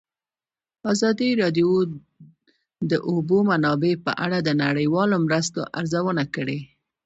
ازادي راډیو د د اوبو منابع په اړه د نړیوالو مرستو ارزونه کړې.